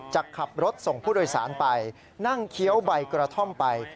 จะขับรถส่งผู้โดยสารไปนั่งเคี้ยวใบกระท่อมไป